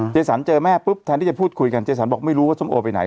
เจสันเจอแม่ปุ๊บแทนที่จะพูดคุยกันเจสันบอกไม่รู้ว่าส้มโอไปไหน